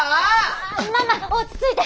ああ⁉ママ落ち着いて！